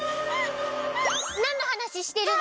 なんのはなししてるの？